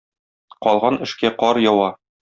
Калган эшкә кар ява.